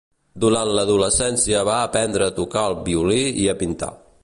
Durant l'adolescència va aprendre a tocar el violí i a pintar.